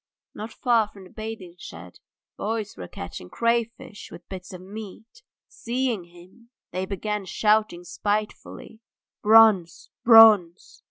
Not far from the bathing shed boys were catching crayfish with bits of meat; seeing him, they began shouting spitefully, "Bronze! Bronze!"